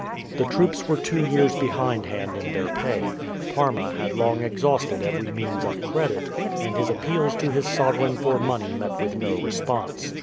The troops were two years behindhand in their pay. Parma had long exhausted every means of credit, and his appeals to his sovereign for money met with no response.